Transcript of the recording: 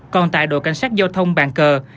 còn tại đội cảnh sát giao thông bàn cờ